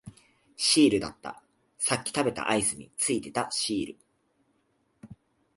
シールだった、さっき食べたアイスについていたシール